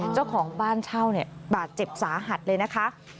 เจ้าของบ้านเช่าเนี่ยบาดเจ็บสาหัสเลยนะคะ